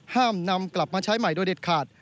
นำกลับมาใช้ใหม่โดยเด็ดขาด